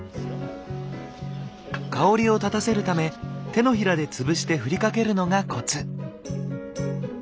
香りをたたせるため手のひらで潰して振りかけるのがコツ。